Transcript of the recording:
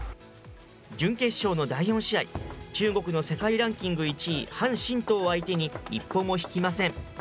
準決勝の第４試合、中国の世界ランキング１位、樊振東を相手に一歩も引きません。